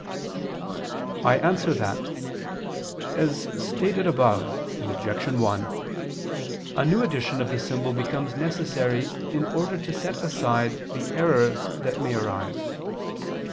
I answer that, As stated above (Obj. 1), a new edition of the symbol becomes necessary in order to set aside the errors that may arise.